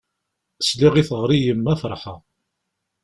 Sliɣ i teɣri n yemma ferḥeɣ.